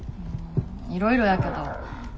いろいろやけど。